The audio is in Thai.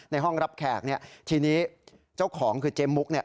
ห้องรับแขกเนี่ยทีนี้เจ้าของคือเจ๊มุกเนี่ย